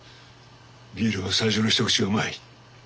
ビールは最初の一口がうまい。